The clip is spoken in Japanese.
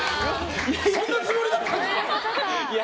そんなつもりだったんですか？